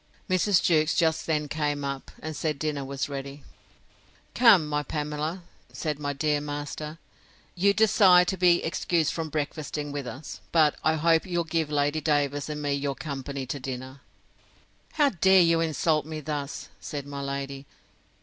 Mrs. Jewkes just then came up, and said dinner was ready. Come, my Pamela, said my dear master; you desired to be excused from breakfasting with us; but I hope you'll give Lady Davers and me your company to dinner. How dare you insult me thus? said my lady.